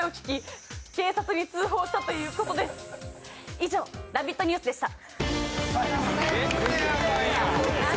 以上「ラヴィット！ニュース」でした。